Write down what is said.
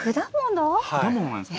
果物なんですか？